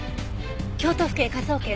京都府警科捜研。